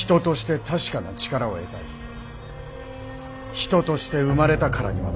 人として生まれたからにはの。